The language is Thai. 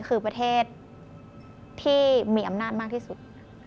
คือประเทศที่มีอำนาจมากที่สุด